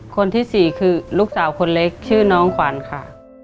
คนที่สี่คือลูกสาวคนเล็กชื่อน้องขวัญค่ะ